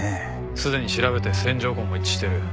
すでに調べて線条痕も一致してる。